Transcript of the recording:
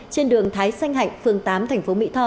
trên đường thái xanh hạnh phường tám thành phố mỹ tho